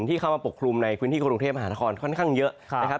ที่เข้ามาปกครุมในพื้นที่กรุงเทพฯมหานครค่อนข้างเยอะ